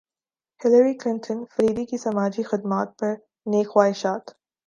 Hillary Clinton فریدی کی سماجی خدمات پر نیک خواہشات